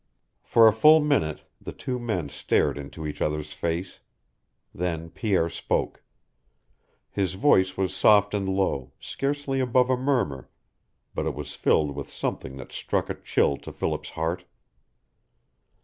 For a full minute the two men stared into each other's face. Then Pierre spoke. His voice was soft and low, scarcely above a murmur, but it was filled with something that struck a chill to Philip's heart.